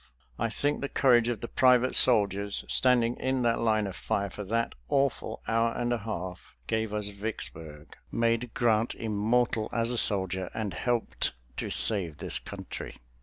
I think the courage of the private soldiers, standing in that line of fire for that awful hour and a half, gave us Vicksburg, made Grant immortal as a soldier, and helped to save this country.